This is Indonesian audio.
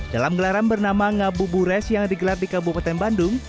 dalam gelaran bernama ngabubures yang digelar di kabupaten bandung